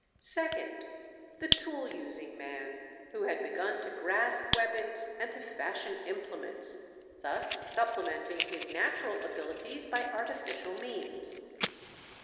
Second. The tool using man, who had begun to grasp weapons and to fashion implements, thus supplementing his natural abilities by artificial means.